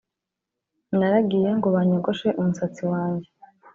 Naragiye ngo banyogoshe umushatsi wanjye